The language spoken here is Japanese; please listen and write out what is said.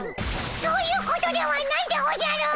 そういうことではないでおじゃる！